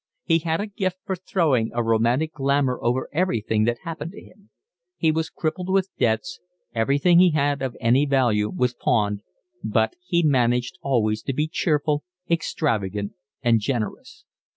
He had a gift for throwing a romantic glamour over everything that happened to him. He was crippled with debts, everything he had of any value was pawned, but he managed always to be cheerful, extravagant, and generous.